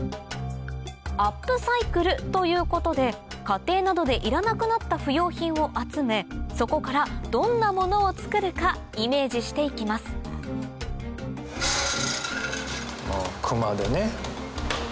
アップサイクルということで家庭などでいらなくなった不用品を集めそこからどんなものを作るかイメージして行きますあ熊手ね。